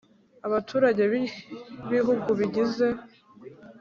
Abaturage b Ibihugu bigize